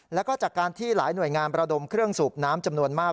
แล้วก็จากการที่หลายหน่วยงานประดมเครื่องสูบน้ำจำนวนมาก